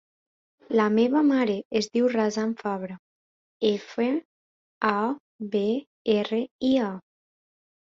La meva mare es diu Razan Fabra: efa, a, be, erra, a.